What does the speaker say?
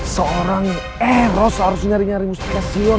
seorang eros harus nyari nyari mustikasyon